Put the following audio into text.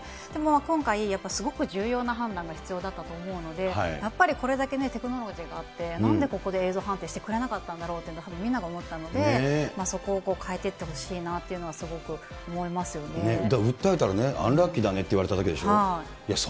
今回、やっぱりすごく重要な判断が必要だったと思うので、やっぱりこれだけね、テクノロジーがあって、なんでここで映像判定してくれなかったんだろうって、たぶんみんなが思ったので、そこを変えていってほしいなというのは、すごく訴えたらね、アンラッキーだねって言われただけでしょ。